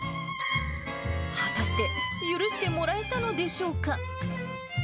果たして、許してもらえたのでし